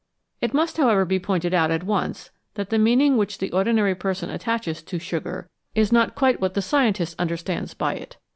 It must, however, be pointed out at once that the meaning which the ordinary person attaches to "sugar" is not quite what the scientist understands by it.